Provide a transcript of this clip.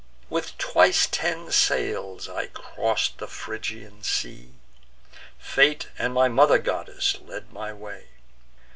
With twice ten sail I cross'd the Phrygian sea; Fate and my mother goddess led my way.